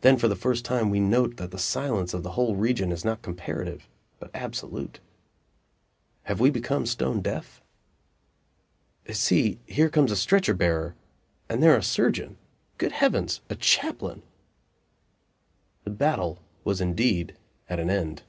Then for the first time we note that the silence of the whole region is not comparative, but absolute. Have we become stone deaf? See; here comes a stretcher bearer, and there a surgeon! Good heavens! a chaplain! The battle was indeed at an end.